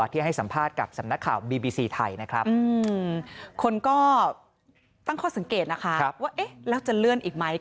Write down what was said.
ที่ให้สัมภาษณ์กับสำนักข่าวบีบีซีไทยนะครับคนก็ตั้งข้อสังเกตนะคะว่าเอ๊ะแล้วจะเลื่อนอีกไหม